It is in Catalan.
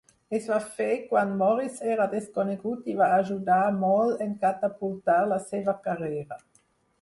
Es va fer quan Morris era desconegut i va ajudar molt en catapultar la seva carrera.